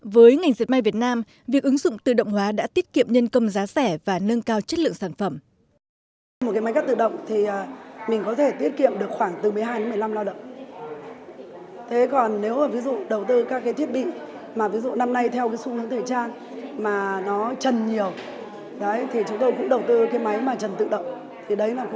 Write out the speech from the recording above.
với ngành diệt may việt nam việc ứng dụng tự động hóa đã tiết kiệm nhân công giá rẻ và nâng cao chất lượng sản phẩm